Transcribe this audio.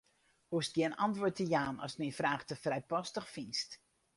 Hoechst gjin antwurd te jaan ast myn fraach te frijpostich fynst.